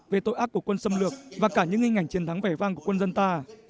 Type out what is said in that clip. về tội ác của quân xâm lược và cả những hình ảnh chiến thắng vẻ vang của quân dân ta